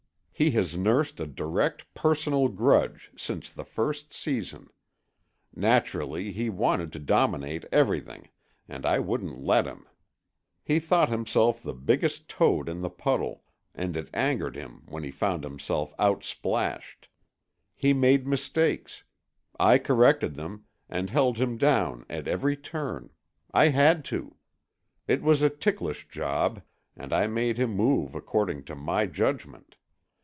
He has nursed a direct, personal grudge since the first season. Naturally, he wanted to dominate everything, and I wouldn't let him. He thought himself the biggest toad in the puddle, and it angered him when he found himself outsplashed. He made mistakes. I corrected them, and held him down at every turn; I had to. It was a ticklish job, and I made him move according to my judgment.